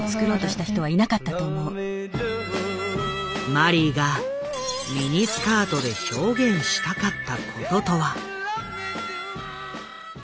マリーがミニスカートで表現したかったこととは。